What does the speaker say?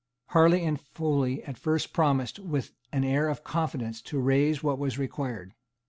Harley and Foley at first promised, with an air of confidence, to raise what was required.